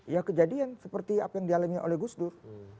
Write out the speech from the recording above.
ya kejadian seperti apa yang dialami oleh gus dur